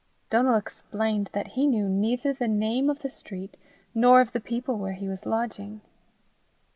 Donal explained that he knew neither the name of the street nor of the people where he was lodging.